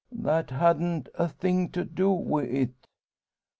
"That hadn't a thing to do wi' it.